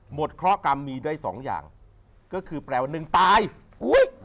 หมดเคราะห์กรรมมีด้วยสองอย่างก็คือแปลว่าหนึ่งตาย